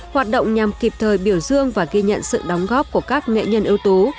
hoạt động nhằm kịp thời biểu dương và ghi nhận sự đóng góp của các nghệ nhân ưu tú